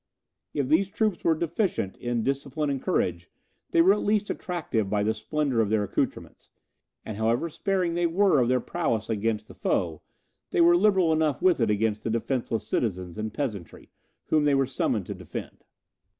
If these troops were deficient in discipline and courage, they were at least attractive by the splendour of their accoutrements; and however sparing they were of their prowess against the foe, they were liberal enough with it against the defenceless citizens and peasantry, whom they were summoned to defend.